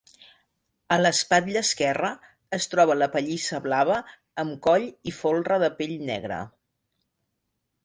A l'espatlla esquerra es troba la pellissa blava amb coll i folre de pell negra.